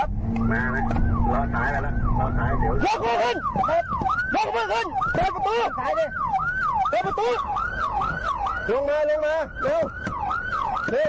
มานะรอชายกันล่ะรอชายเร็ว